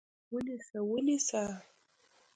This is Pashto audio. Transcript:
ونیسه! ونیسه!